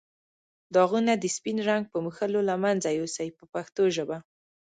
داغونه د سپین رنګ په مښلو له منځه یو سئ په پښتو ژبه.